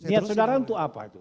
ya saudara untuk apa itu